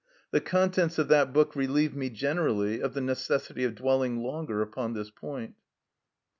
The contents of that book relieve me generally of the necessity of dwelling longer upon this point.